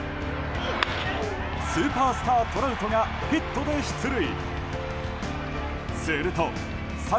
スーパースター、トラウトがヒットで出塁。